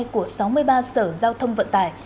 của sáu mươi ba sở giao thông vận tải